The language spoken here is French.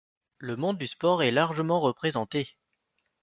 Le monde du sport est largement représenté.